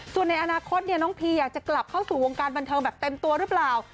ส่วนในอนาคตน้องพีอยากจะกลับเข้าสู่วงการบันเทิงแบบเต็มตัวหรือเปล่า